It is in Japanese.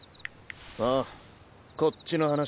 ああこっちの話。